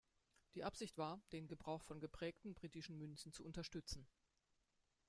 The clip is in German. Die Absicht war, den Gebrauch von geprägten britischen Münzen zu unterstützen.